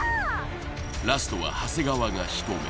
ラストは長谷川がしとめ